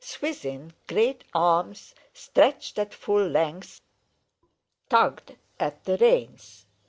Swithin's great arms, stretched at full length, tugged at the reins.